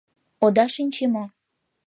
— Ода шинче мо?